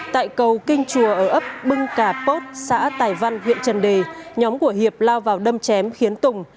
tại cầu kinh chùa ở ấp bưng cà pốt xã tài văn huyện trần đề nhóm của hiệp lao vào đâm chém khiến tùng